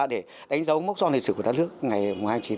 để đánh dấu mốc son lịch sử của đất nước ngày mùa hai mươi chín